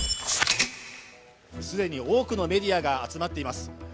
既に多くのメディアが集まっています。